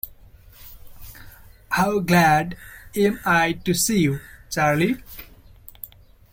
How glad am I to see you, Charley!